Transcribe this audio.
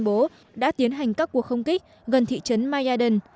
liên quân do mỹ đứng đầu đã tiến hành các cuộc không kích gần thị trấn mayadan